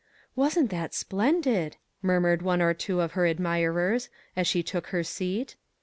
" Wasn't that splendid !" murmured one or two of her admirers, as she took her seat.